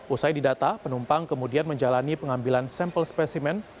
usai didata penumpang kemudian menjalani pengambilan sampel spesimen